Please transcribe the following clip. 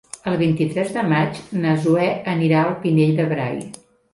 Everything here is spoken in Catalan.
El vint-i-tres de maig na Zoè anirà al Pinell de Brai.